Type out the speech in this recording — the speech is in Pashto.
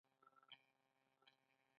د خاک سفید ولسوالۍ دښتې لري